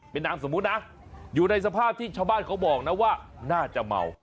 เป็นนามสมมุตินะอยู่ในสภาพที่ชาวบ้านเขาบอกนะว่าน่าจะเมา